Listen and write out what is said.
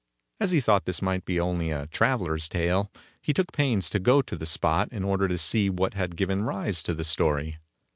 As he thought this might be only a traveler's tale, he took pains to go to the spot in order to see what had given rise to the story.